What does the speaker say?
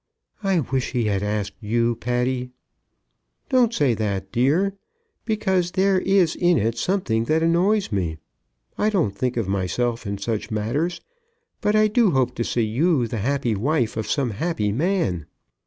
"I wish he had asked you, Patty!" "Don't say that, dear, because there is in it something that annoys me. I don't think of myself in such matters, but I do hope to see you the happy wife of some happy man."